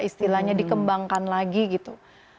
istilahnya dikembangkan lagi gitu